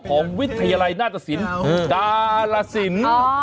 วิทยาลัยหน้าตสินดาลสิน